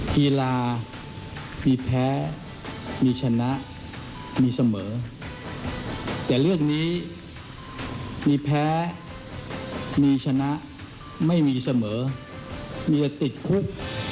กีฬามีแพ้มีชนะมีเสมอแต่เรื่องนี้มีแพ้มีชนะไม่มีเสมอมีแต่ติดคุก